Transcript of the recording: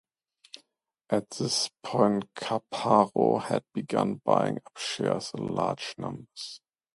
At this point Caparo had begun buying up shares in large numbers.